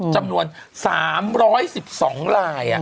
จำนวน๓๑๒ลาย